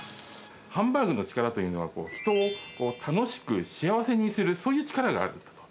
ハンバーグの力というのは、人を楽しく幸せにする、そういう力があると。